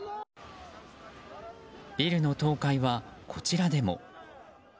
ビルの倒壊は、こちらでも。